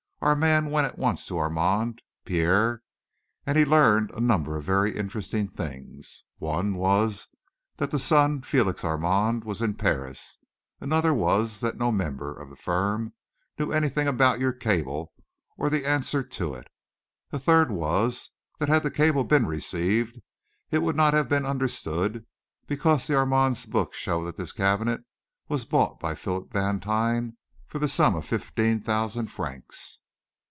Our man went at once to Armand, père, and he learned a number of very interesting things. One was, that the son, Félix Armand, was in Paris; another was that no member of the firm knew anything about your cable or the answer to it; a third was, that, had the cable been received, it would not have been understood, because the Armands' books show that this cabinet was bought by Philip Vantine for the sum of fifteen thousand francs."